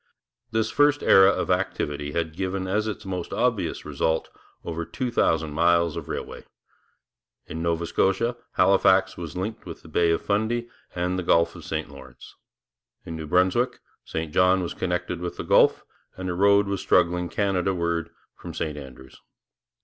This first era of activity had given as its most obvious result over two thousand miles of railway. In Nova Scotia, Halifax was linked with the Bay of Fundy and the Gulf of St Lawrence; in New Brunswick, St John was connected with the Gulf, and a road was struggling Canadaward from St Andrews.